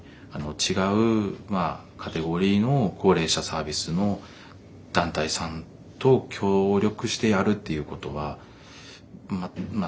違うカテゴリーの高齢者サービスの団体さんと協力してやるということはまっ